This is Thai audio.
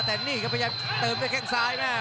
แต่นี่ก็พยายามเติมด้วยแข่งซ้ายแน่ะ